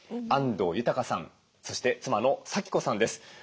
安藤裕さんそして妻のさき子さんです。